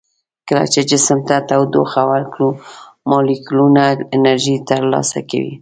کله چې جسم ته تودوخه ورکړو مالیکولونه انرژي تر لاسه کوي.